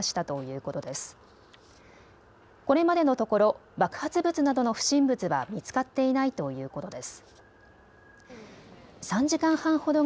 これまでのところ爆発物などの不審物は見つかっていないということです。